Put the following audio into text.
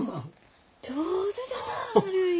上手じゃなあるい。